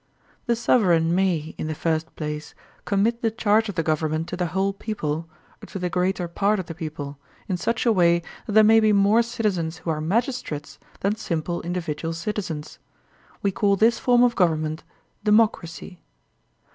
The sovereign may, in the first place, commit the charge of the government to the whole people, or to the greater part of the people, in 'such a way that there may be more citizens who are magistrates than simple indi vidual citizens. We call this form of government de mocracy.